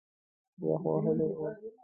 یخ وهلی و.